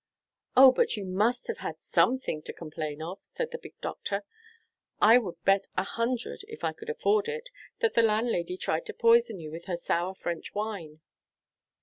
"Oh, but you must have had something to complain of!" said the big doctor. "I would bet a hundred, if I could afford it, that the landlady tried to poison you with her sour French wine."